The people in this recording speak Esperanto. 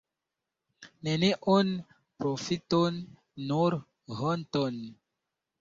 Neniun profiton, nur honton!